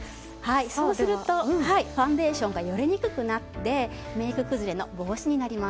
そうするとファンデーションがのりにくくなってメイク崩れの防止になります。